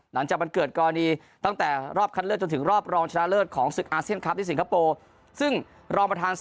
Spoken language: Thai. หลังจากมันเกิดกรณีตั้งแต่รอบคัดเลือกจนถึงรอบรองชนะเลิศของศึกอาเซียนคลับที่สิงคโปร์